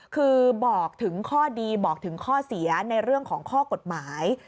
คือบอกถึงข้อดีบอกถึงข้อเสียในเรื่องของข้อกฎหมาย